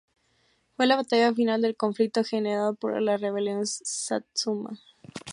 Fue la batalla final del conflicto generado por la rebelión Satsuma.